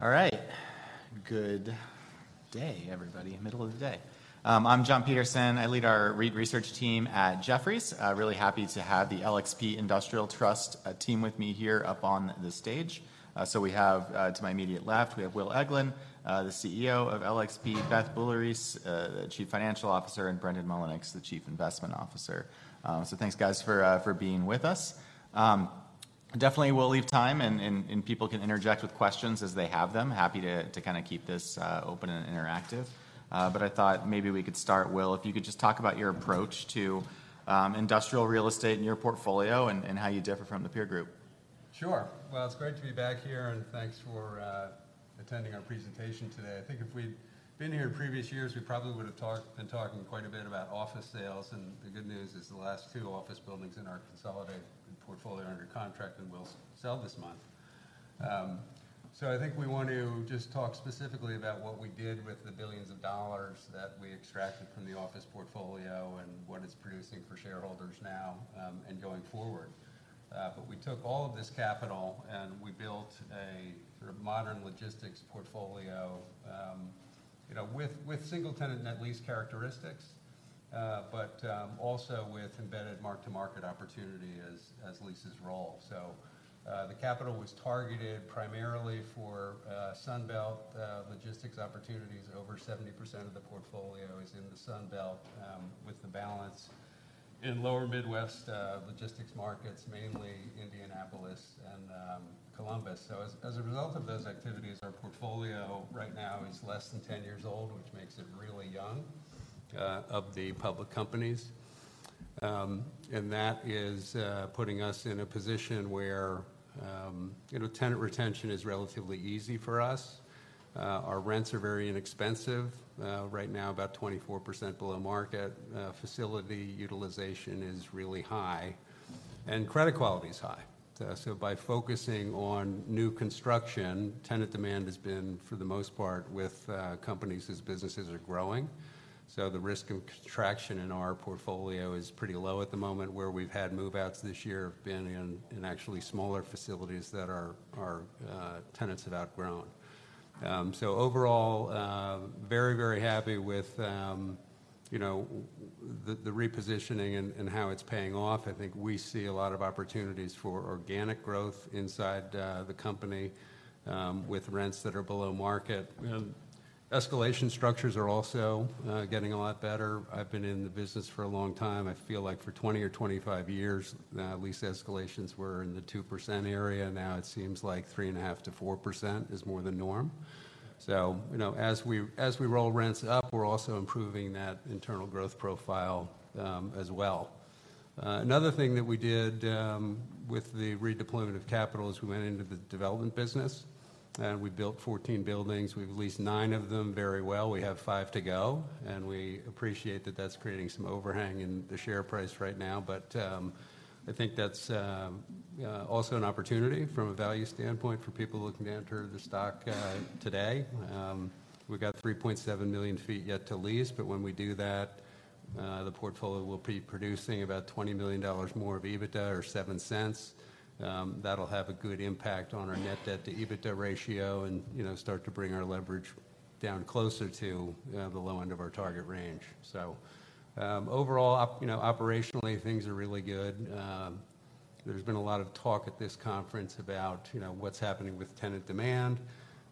All right. Good day, everybody, middle of the day. I'm Jonathan Petersen. I lead our research team at Jefferies. Really happy to have the LXP Industrial Trust team with me here up on the stage. So we have, to my immediate left, we have Will Eglin, the CEO of LXP, Beth Boulerice, the Chief Financial Officer, and Brendan Mullinix, the Chief Investment Officer. So thanks, guys, for being with us. Definitely we'll leave time, and people can interject with questions as they have them. Happy to kinda keep this open and interactive. But I thought maybe we could start, Will, if you could just talk about your approach to industrial real estate in your portfolio and how you differ from the peer group. Sure. Well, it's great to be back here, and thanks for attending our presentation today. I think if we'd been here in previous years, we probably would've been talking quite a bit about office sales, and the good news is the last two office buildings in our consolidated portfolio are under contract and will sell this month. So I think we want to just talk specifically about what we did with the billions of dollars that we extracted from the office portfolio and what it's producing for shareholders now, and going forward. But we took all of this capital, and we built a sort of modern logistics portfolio, you know, with single-tenant net lease characteristics, but also with embedded mark-to-market opportunity as leases roll. So the capital was targeted primarily for Sun Belt logistics opportunities. Over 70% of the portfolio is in the Sun Belt, with the balance in lower Midwest logistics markets, mainly Indianapolis and Columbus. As a result of those activities, our portfolio right now is less than 10 years old, which makes it really young of the public companies. And that is putting us in a position where, you know, tenant retention is relatively easy for us. Our rents are very inexpensive right now, about 24% below market. Facility utilization is really high, and credit quality is high. So by focusing on new construction, tenant demand has been, for the most part, with companies as businesses are growing. So the risk of contraction in our portfolio is pretty low at the moment, where we've had move-outs this year have been in actually smaller facilities that our tenants have outgrown. So overall, very, very happy with, you know, the repositioning and how it's paying off. I think we see a lot of opportunities for organic growth inside the company with rents that are below market. Escalation structures are also getting a lot better. I've been in the business for a long time. I feel like for 20 or 25 years, lease escalations were in the 2% area. Now it seems like 3.5%-4% is more the norm. So, you know, as we roll rents up, we're also improving that internal growth profile, as well. Another thing that we did with the redeployment of capital is we went into the development business, and we built 14 buildings. We've leased 9 of them very well. We have 5 to go, and we appreciate that that's creating some overhang in the share price right now. But I think that's also an opportunity from a value standpoint for people looking to enter the stock today. We've got 3.7 million sq ft yet to lease, but when we do that, the portfolio will be producing about $20 million more of EBITDA or $0.07. That'll have a good impact on our net debt to EBITDA ratio and, you know, start to bring our leverage down closer to the low end of our target range. So, overall, you know, operationally, things are really good. There's been a lot of talk at this conference about, you know, what's happening with tenant demand,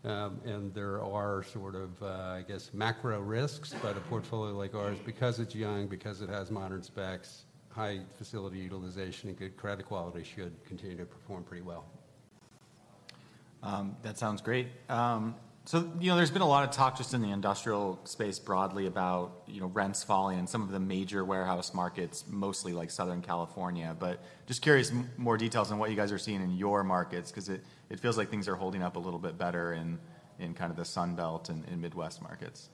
and there are sort of, I guess, macro risks. But a portfolio like ours, because it's young, because it has modern specs, high facility utilization, and good credit quality, should continue to perform pretty well. That sounds great. So, you know, there's been a lot of talk just in the industrial space broadly about, you know, rents falling in some of the major warehouse markets, mostly like Southern California. But just curious, more details on what you guys are seeing in your markets, 'cause it, it feels like things are holding up a little bit better in, in kind of the Sun Belt and in Midwest markets.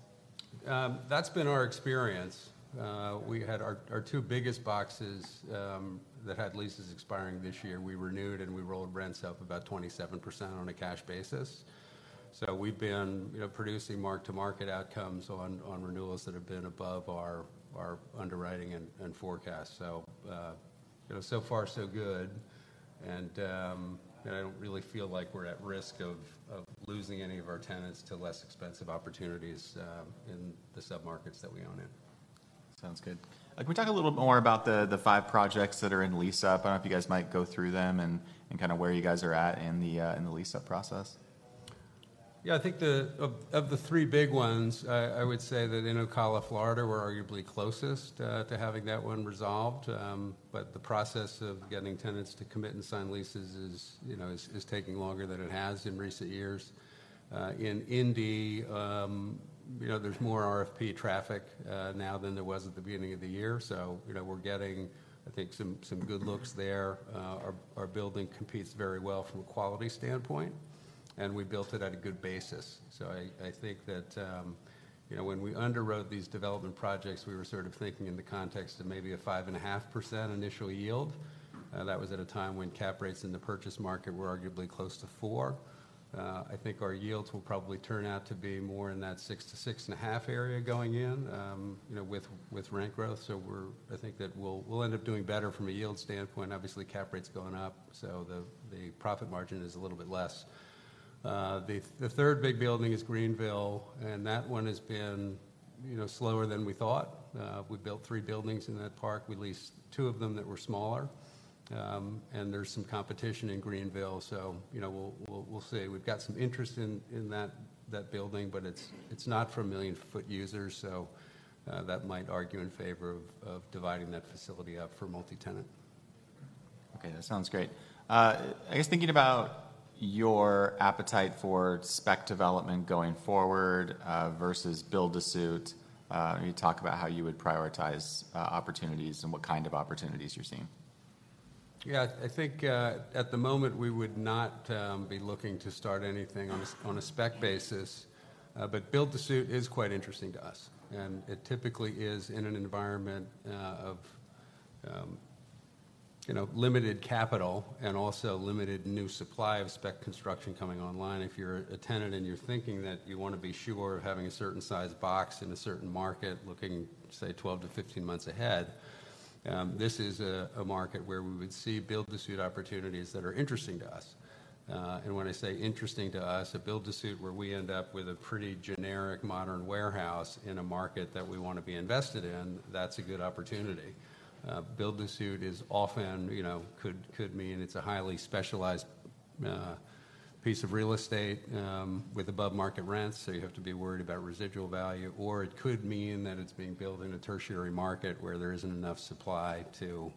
That's been our experience. We had our two biggest boxes that had leases expiring this year, we renewed, and we rolled rents up about 27% on a cash basis. So we've been, you know, producing mark-to-market outcomes on renewals that have been above our underwriting and forecast. So, you know, so far so good, and I don't really feel like we're at risk of losing any of our tenants to less expensive opportunities in the submarkets that we own in. Sounds good. Can we talk a little more about the, the five projects that are in lease-up? I don't know if you guys might go through them and, and kinda where you guys are at in the, in the lease-up process. Yeah, I think of the three big ones, I would say that in Ocala, Florida, we're arguably closest to having that one resolved. But the process of getting tenants to commit and sign leases is, you know, taking longer than it has in recent years. In Indy, you know, there's more RFP traffic now than there was at the beginning of the year, so, you know, we're getting, I think, some good looks there. Our building competes very well from a quality standpoint, and we built it at a good basis. So I think that, you know, when we underwrote these development projects, we were sort of thinking in the context of maybe a 5.5% initial yield. That was at a time when cap rates in the purchase market were arguably close to 4. I think our yields will probably turn out to be more in that 6-6.5 area going in, you know, with rent growth. So we're... I think that we'll end up doing better from a yield standpoint. Obviously, cap rates going up... so the profit margin is a little bit less. The third big building is Greenville, and that one has been, you know, slower than we thought. We built three buildings in that park. We leased two of them that were smaller, and there's some competition in Greenville, so, you know, we'll see. We've got some interest in that building, but it's not for a million-foot user, so that might argue in favor of dividing that facility up for multi-tenant. Okay, that sounds great. I guess, thinking about your appetite for spec development going forward, versus build-to-suit, can you talk about how you would prioritize opportunities and what kind of opportunities you're seeing? Yeah, I think at the moment, we would not be looking to start anything on a spec basis. But build-to-suit is quite interesting to us, and it typically is in an environment of you know, limited capital and also limited new supply of spec construction coming online. If you're a tenant and you're thinking that you wanna be sure of having a certain size box in a certain market, looking say, 12-15 months ahead, this is a market where we would see build-to-suit opportunities that are interesting to us. And when I say interesting to us, a build-to-suit where we end up with a pretty generic modern warehouse in a market that we want to be invested in, that's a good opportunity. Build-to-suit is often, you know, could mean it's a highly specialized piece of real estate with above-market rents, so you have to be worried about residual value. Or it could mean that it's being built in a tertiary market where there isn't enough supply to,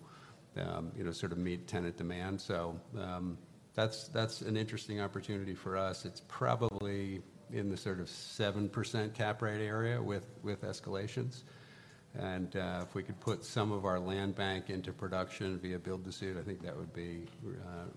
you know, sort of meet tenant demand. So, that's an interesting opportunity for us. It's probably in the sort of 7% cap rate area with escalations, and if we could put some of our land bank into production via build-to-suit, I think that would be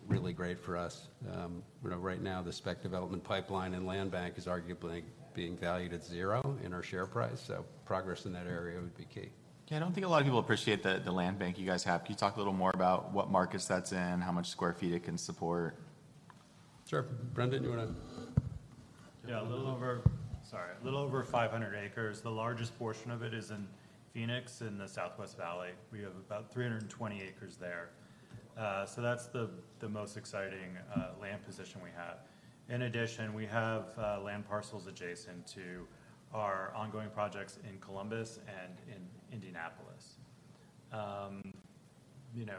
really great for us. You know, right now, the spec development pipeline and land bank is arguably being valued at zero in our share price, so progress in that area would be key. Yeah, I don't think a lot of people appreciate the land bank you guys have. Can you talk a little more about what markets that's in, how much square feet it can support? Sure. Brendan, do you wanna- Yeah, a little over... Sorry, a little over 500 acres. The largest portion of it is in Phoenix, in the Southwest Valley. We have about 320 acres there. So that's the most exciting land position we have. In addition, we have land parcels adjacent to our ongoing projects in Columbus and in Indianapolis. You know,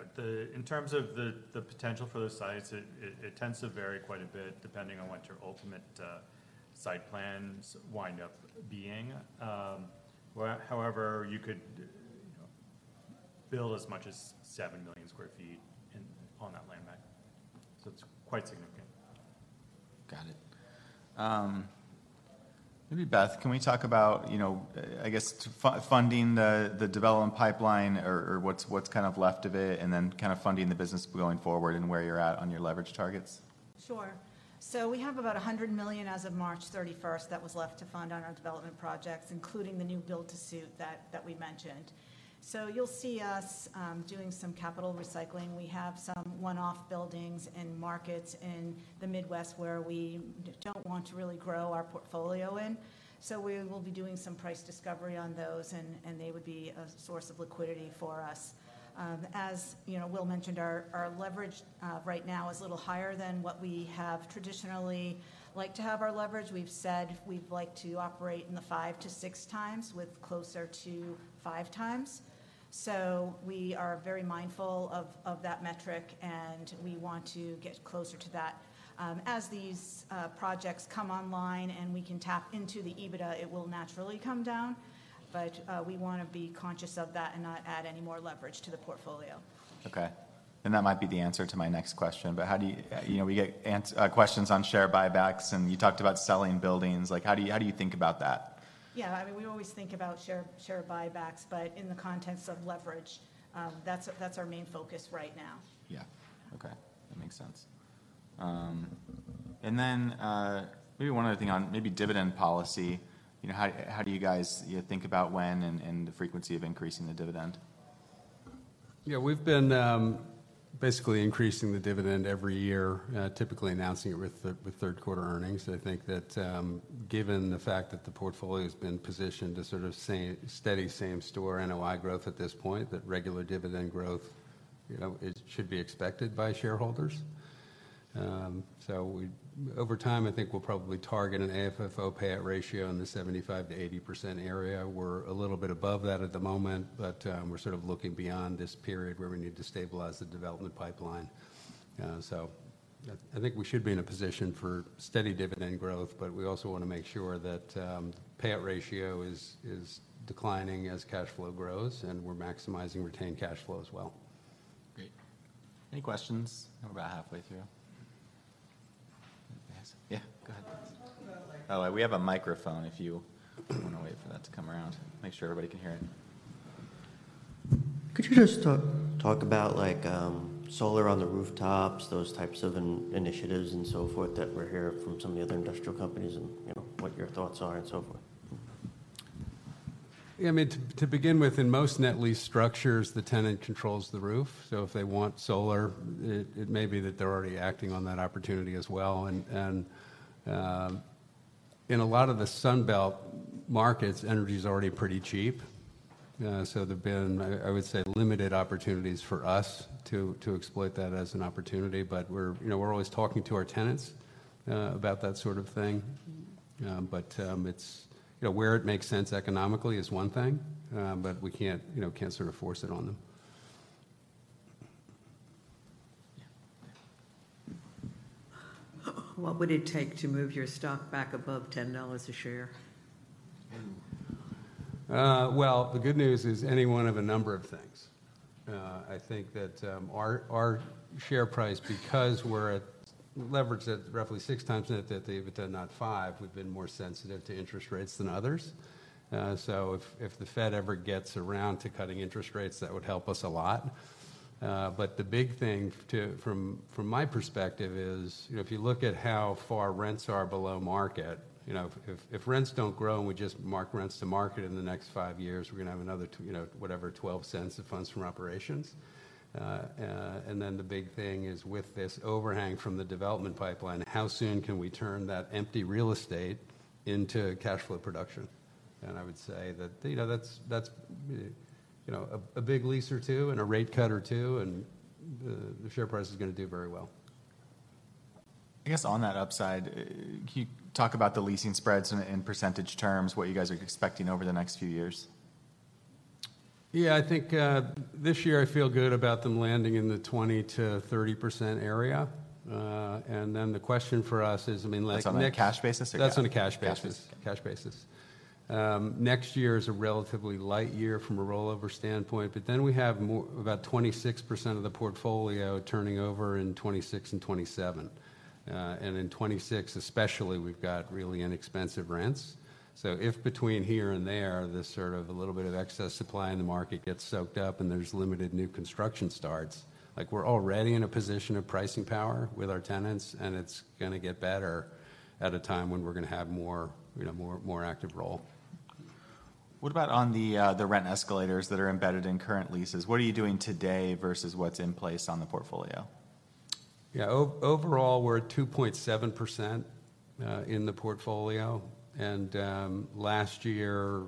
in terms of the potential for those sites, it tends to vary quite a bit, depending on what your ultimate site plans wind up being. However, you could, you know, build as much as seven million sq ft in, on that land bank, so it's quite significant. Got it. Maybe, Beth, can we talk about, you know, I guess, funding the development pipeline or what's kind of left of it, and then kind of funding the business going forward and where you're at on your leverage targets? Sure. So we have about $100 million as of March 31st that was left to fund on our development projects, including the new build-to-suit that we mentioned. So you'll see us doing some capital recycling. We have some one-off buildings and markets in the Midwest, where we don't want to really grow our portfolio in, so we will be doing some price discovery on those, and they would be a source of liquidity for us. As you know, Will mentioned, our leverage right now is a little higher than what we have traditionally like to have our leverage. We've said we'd like to operate in the 5-6x, with closer to 5x. So we are very mindful of that metric, and we want to get closer to that. As these projects come online, and we can tap into the EBITDA, it will naturally come down, but we wanna be conscious of that and not add any more leverage to the portfolio. Okay, and that might be the answer to my next question, but how do you... You know, we get questions on share buybacks, and you talked about selling buildings. Like, how do you, how do you think about that? Yeah, I mean, we always think about share, share buybacks, but in the context of leverage, that's, that's our main focus right now. Yeah. Okay, that makes sense. And then, maybe one other thing on maybe dividend policy. You know, how do you guys think about when and the frequency of increasing the dividend? Yeah, we've been basically increasing the dividend every year, typically announcing it with the third quarter earnings. I think that, given the fact that the portfolio's been positioned to sort of steady same-store NOI growth at this point, that regular dividend growth, you know, it should be expected by shareholders. So we... Over time, I think we'll probably target an AFFO payout ratio in the 75%-80% area. We're a little bit above that at the moment, but we're sort of looking beyond this period where we need to stabilize the development pipeline. So I think we should be in a position for steady dividend growth, but we also wanna make sure that the payout ratio is declining as cash flow grows, and we're maximizing retained cash flow as well. Great. Any questions? We're about halfway through. Yes. Yeah, go ahead. Talk about like- Oh, we have a microphone if you wanna wait for that to come around. Make sure everybody can hear it. Could you just talk about, like, solar on the rooftops, those types of initiatives and so forth, that we're hearing from some of the other industrial companies and, you know, what your thoughts are and so forth? Yeah, I mean, to begin with, in most net lease structures, the tenant controls the roof. So if they want solar, it may be that they're already acting on that opportunity as well. And in a lot of the Sun Belt markets, energy's already pretty cheap. So there've been, I would say, limited opportunities for us to exploit that as an opportunity. But we're, you know, we're always talking to our tenants about that sort of thing. But it's, you know, where it makes sense economically is one thing, but we can't, you know, can't sort of force it on them. Yeah. What would it take to move your stock back above $10 a share? Well, the good news is, any one of a number of things. I think that, our share price, because we're at leverage at roughly 6x net, that the EBITDA, not 5, we've been more sensitive to interest rates than others. So if the Fed ever gets around to cutting interest rates, that would help us a lot. But the big thing from my perspective is, you know, if you look at how far rents are below market, you know, if rents don't grow, and we just mark rents to market in the next 5 years, we're going to have another two, you know, whatever, $0.12 of funds from operations. And then the big thing is, with this overhang from the development pipeline, how soon can we turn that empty real estate into cash flow production? I would say that, you know, that's a big lease or two and a rate cut or two, and the share price is going to do very well. I guess, on that upside, can you talk about the leasing spreads in, in percentage terms, what you guys are expecting over the next few years? Yeah, I think, this year I feel good about them landing in the 20%-30% area. And then the question for us is, I mean, like- That's on a cash basis or...? That's on a cash basis. Cash basis. Cash basis. Next year is a relatively light year from a rollover standpoint, but then we have more, about 26% of the portfolio turning over in 2026 and 2027. And in 2026 especially, we've got really inexpensive rents. So if between here and there, this sort of a little bit of excess supply in the market gets soaked up, and there's limited new construction starts, like, we're already in a position of pricing power with our tenants, and it's going to get better at a time when we're going to have more, you know, more, more active role. What about on the rent escalators that are embedded in current leases? What are you doing today versus what's in place on the portfolio? Yeah, overall, we're at 2.7% in the portfolio, and last year,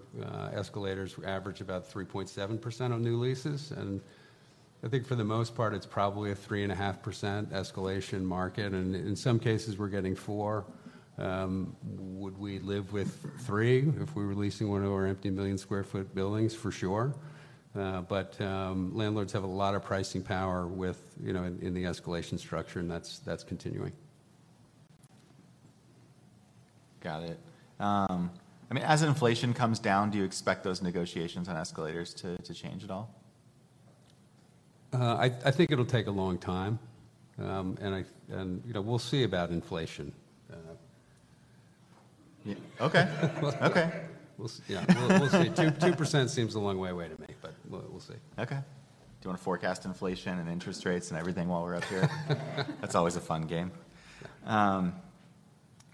escalators averaged about 3.7% on new leases, and I think for the most part, it's probably a 3.5% escalation market, and in some cases, we're getting 4%. Would we live with 3% if we were leasing one of our empty one million sq ft buildings? For sure. But landlords have a lot of pricing power with, you know, in the escalation structure, and that's continuing. Got it. I mean, as inflation comes down, do you expect those negotiations on escalators to change at all? I think it'll take a long time. You know, we'll see about inflation. Yeah. Okay. Okay. We'll, we'll see. 2% seems a long way away to me, but we'll, we'll see. Okay. Do you want to forecast inflation and interest rates and everything while we're up here? That's always a fun game.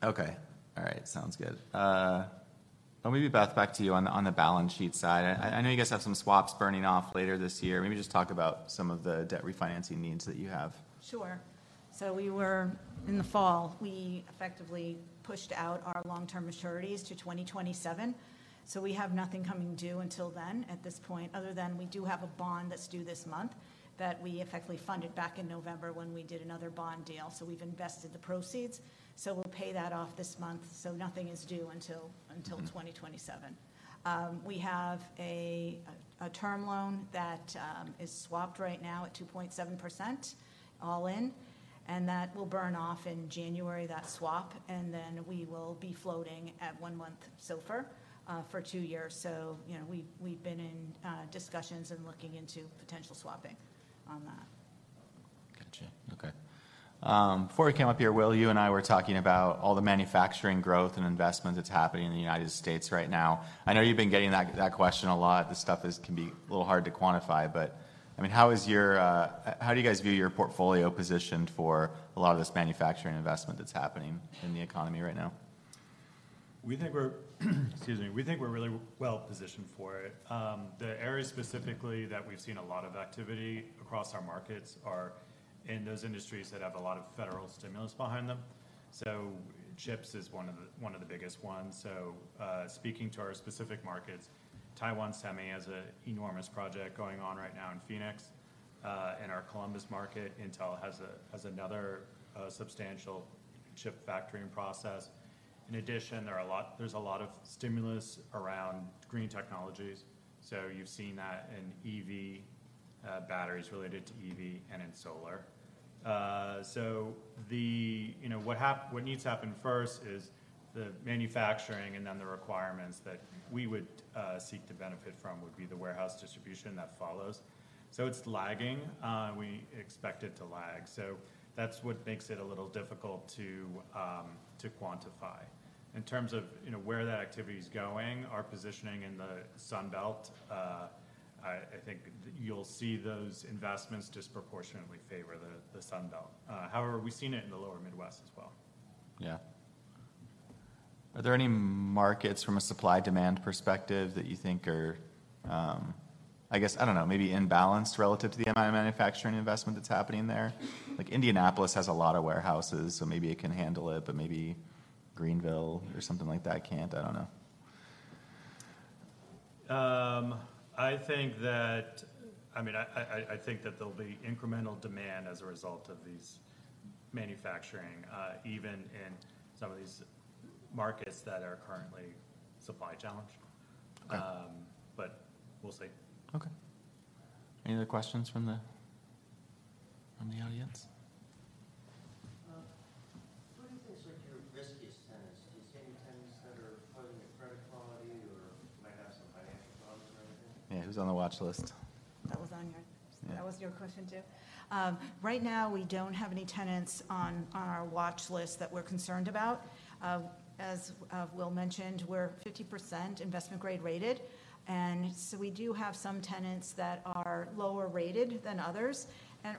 Okay. All right, sounds good. Well, maybe, Beth, back to you on the balance sheet side. I know you guys have some swaps burning off later this year. Maybe just talk about some of the debt refinancing needs that you have. Sure. So in the fall, we effectively pushed out our long-term maturities to 2027, so we have nothing coming due until then at this point, other than we do have a bond that's due this month, that we effectively funded back in November when we did another bond deal. So we've invested the proceeds, so we'll pay that off this month, so nothing is due until 2027. We have a term loan that is swapped right now at 2.7%, all in, and that will burn off in January, that swap, and then we will be floating at one month SOFR for two years. So, you know, we've been in discussions and looking into potential swapping on that. Gotcha. Okay. Before we came up here, Will, you and I were talking about all the manufacturing growth and investment that's happening in the United States right now. I know you've been getting that question a lot. This stuff can be a little hard to quantify, but, I mean, how do you guys view your portfolio positioned for a lot of this manufacturing investment that's happening in the economy right now? We think we're, excuse me, we think we're really well positioned for it. The areas specifically that we've seen a lot of activity across our markets are in those industries that have a lot of federal stimulus behind them. So chips is one of the biggest ones. So, speaking to our specific markets, Taiwan Semi has a enormous project going on right now in Phoenix. In our Columbus market, Intel has another substantial chip manufacturing process. In addition, there's a lot of stimulus around green technologies, so you've seen that in EV, batteries related to EV and in solar. So the... You know, what needs to happen first is the manufacturing, and then the requirements that we would seek to benefit from would be the warehouse distribution that follows. So it's lagging, and we expect it to lag, so that's what makes it a little difficult to, to quantify. In terms of, you know, where that activity is going, our positioning in the Sun Belt, I, I think you'll see those investments disproportionately favor the, the Sun Belt. However, we've seen it in the lower Midwest as well. Yeah. Are there any markets from a supply-demand perspective that you think are, I guess, I don't know, maybe imbalanced relative to the MI manufacturing investment that's happening there? Like Indianapolis has a lot of warehouses, so maybe it can handle it, but maybe Greenville or something like that can't. I don't know. I mean, I think that there'll be incremental demand as a result of these manufacturing, even in some of these markets that are currently supply-challenged. Okay. But we'll see. Okay. Any other questions from the audience? What do you think is, like, your riskiest tenants? Do you see any tenants that are causing a credit quality or might have some financial problems or anything? Yeah. Who's on the watch list? That was on your- Yeah. That was your question, too. Right now, we don't have any tenants on our watch list that we're concerned about. As Will mentioned, we're 50% investment-grade rated, and so we do have some tenants that are lower rated than others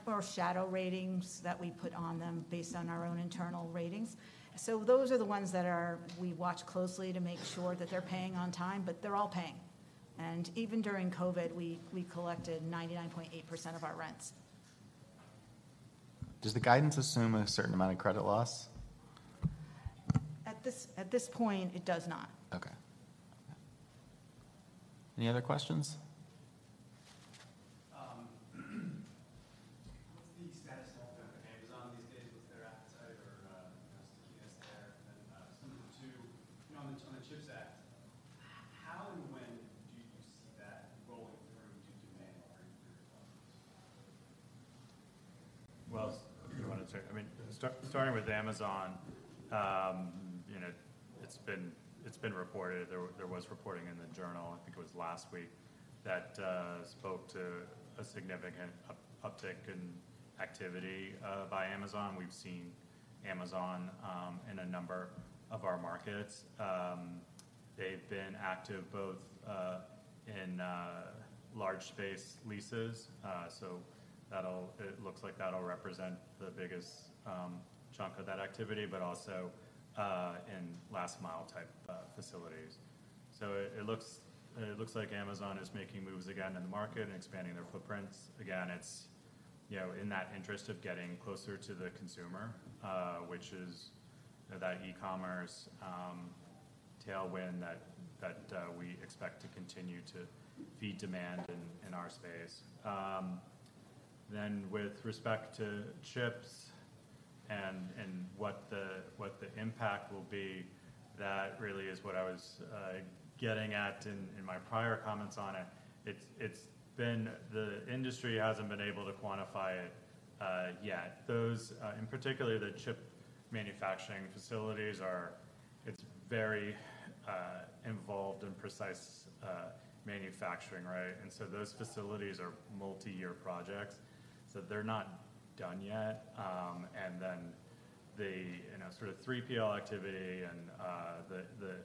or shadow ratings that we put on them based on our own internal ratings. So those are the ones that are... We watch closely to make sure that they're paying on time, but they're all paying. And even during COVID, we collected 99.8% of our rents. Does the guidance assume a certain amount of credit loss? At this point, it does not. Okay. Any other questions? What's the status of Amazon these days? What's their appetite or stickiness there? Similar to, you know, on the CHIPS Act, how and when do you see that rolling through to demand for your properties? Well, you wanna take it? I mean, starting with Amazon, you know, it's been reported. There was reporting in the Journal, I think it was last week, that spoke to a significant uptick in activity by Amazon. We've seen Amazon in a number of our markets. They've been active both in large space leases, so that'll represent the biggest chunk of that activity, but also in last mile-type facilities. So it looks like Amazon is making moves again in the market and expanding their footprints. Again, it's, you know, in that interest of getting closer to the consumer, which is, you know, that e-commerce tailwind that we expect to continue to feed demand in our space. Then, with respect to CHIPS and what the impact will be, that really is what I was getting at in my prior comments on it. It's been... The industry hasn't been able to quantify it yet. Those, in particular, the chip manufacturing facilities are. It's very involved in precise manufacturing, right? And so those facilities are multi-year projects, so they're not done yet. And then the, you know, sort of 3PL activity and the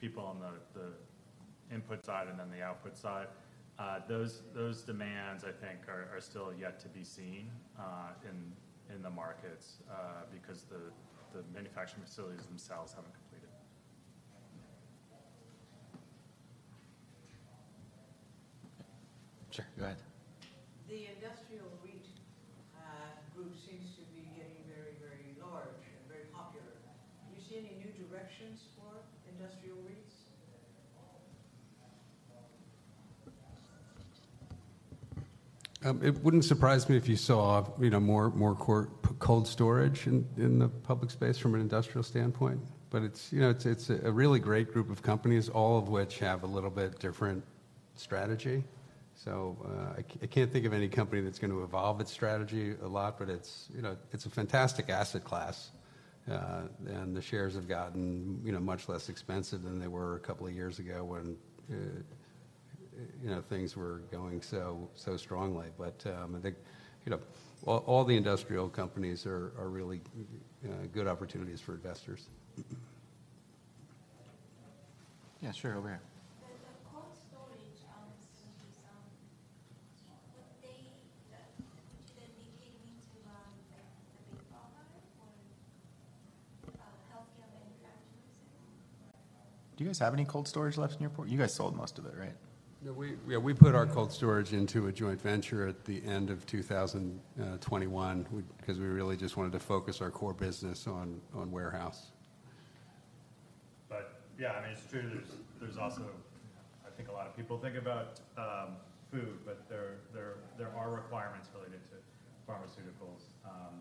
people on the input side and then the output side, those demands, I think are still yet to be seen in the markets because the manufacturing facilities themselves haven't completed. Sure, go ahead. The industrial REIT group seems to be getting very, very large and very popular. Do you see any new directions for industrial REITs? It wouldn't surprise me if you saw, you know, more cold storage in the public space from an industrial standpoint. But it's, you know, it's a really great group of companies, all of which have a little bit different strategy. So, I can't think of any company that's going to evolve its strategy a lot, but it's, you know, it's a fantastic asset class, and the shares have gotten, you know, much less expensive than they were a couple of years ago when, you know, things were going so strongly. But, I think, you know, all the industrial companies are really good opportunities for investors. Yeah, sure. Over here. The cold storage, would they come into the big Pharma or healthcare interactions? Do you guys have any cold storage left in your portfolio? You guys sold most of it, right? No, we... Yeah, we put our cold storage into a joint venture at the end of 2021, 'cause we really just wanted to focus our core business on warehouse. But yeah, I mean, it's true. There's also... I think a lot of people think about food, but there are requirements related to pharmaceuticals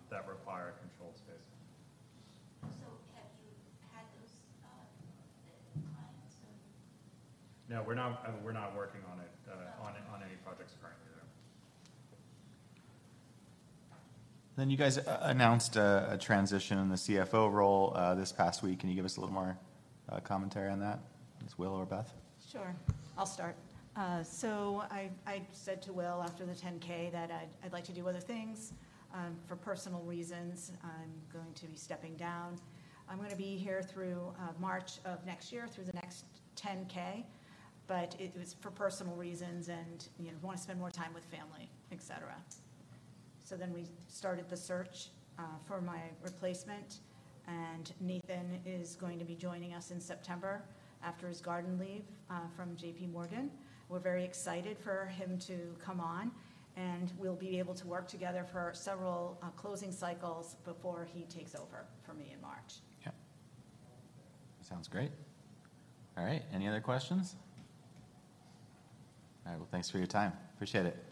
that require a controlled space. Have you had those clients or? No, we're not working on it- Oh... on any projects currently, no. Then you guys announced a transition in the CFO role this past week. Can you give us a little more commentary on that, Mr. Will or Beth? Sure. I'll start. So I said to Will after the 10-K that I'd like to do other things. For personal reasons, I'm going to be stepping down. I'm gonna be here through March of next year, through the next 10-K, but it was for personal reasons and, you know, want to spend more time with family, et cetera. So then we started the search for my replacement, and Nathan is going to be joining us in September, after his garden leave from J.P. Morgan. We're very excited for him to come on, and we'll be able to work together for several closing cycles before he takes over for me in March. Okay. Sounds great. All right, any other questions? All right, well, thanks for your time. Appreciate it.